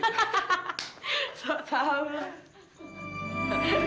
eh aku mau istirahat